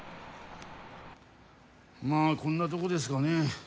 まあこんなとこですかね